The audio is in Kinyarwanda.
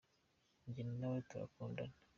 Nge nawe turakundana.